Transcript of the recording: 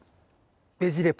「ベジ・レポ」。